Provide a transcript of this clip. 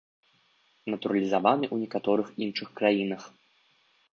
Натуралізаваны ў некаторых іншых краінах.